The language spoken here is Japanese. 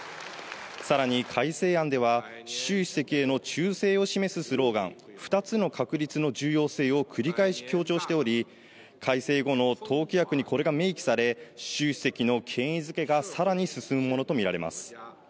さらに改正案では、習主席への忠誠を示すスローガン、二つの確立の重要性を繰り返し強調しており、改正後の党規約にこれが明記され、習主席の権威づけがさらに進むものと見られます。